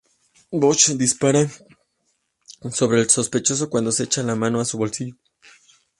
Bosch dispara sobre el sospechoso cuando se echa la mano a su bolsillo.